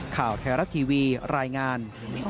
ข่าวแทรกทีวีรายงาน